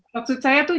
maksud saya tuh